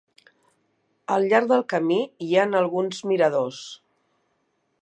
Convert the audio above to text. Al llarg del camí, hi ha alguns miradors.